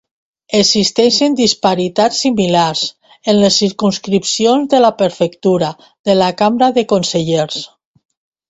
Existeixen disparitats similars en les circumscripcions de la prefectura de la Cambra de Consellers.